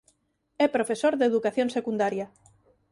É profesor de educación secundaria.